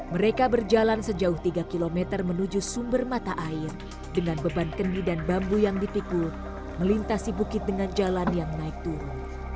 mereka berjalan sejauh tiga km menuju sumber mata air dengan beban kendi dan bambu yang dipikul melintasi bukit dengan jalan yang naik turun